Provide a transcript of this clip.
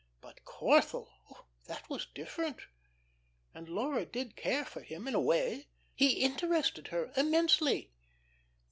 But Corthell that was different. And Laura did care for him, in a way. He interested her immensely.